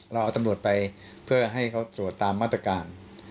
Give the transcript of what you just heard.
เราเอาตำรวจไปเพื่อให้เขาตรวจตามมาตรการ